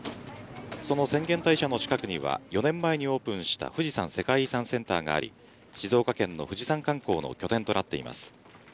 その浅間大社の近くには４年前にオープンした富士山世界遺産センターがあり静岡県の富士山観光の拠点となっています。